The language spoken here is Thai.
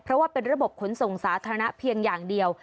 เพราะว่าเป็นระบบขนส่งสาธารณะเพียงอย่างเดียว